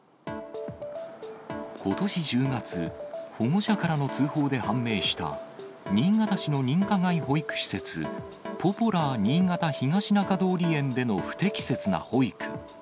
ことし１０月、保護者からの通報で判明した、新潟市の認可外保育施設、ポポラー新潟東中通園での不適切な保育。